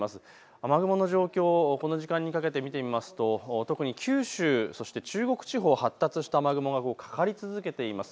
雨雲の状況をこの時間にかけて見てみますと特に九州、そして中国地方、発達した雨雲がかかり続けています。